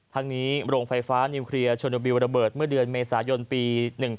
ทั้งนี้โรงไฟฟ้านิวเคลียร์โชโนบิลระเบิดเมื่อเดือนเมษายนปี๑๕